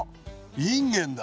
インゲンだ。